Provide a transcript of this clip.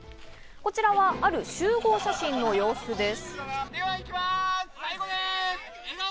こちらはある集合写真の様子です。